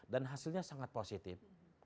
dan hasilnya sangat positif